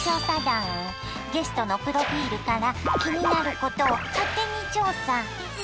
ゲストのプロフィールから気になることを勝手に調査！